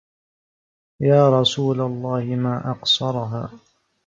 يَا رَسُولَ اللَّهِ مَا أَقْصَرَهَا